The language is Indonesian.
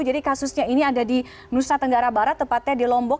jadi kasusnya ini ada di nusa tenggara barat tepatnya di lombok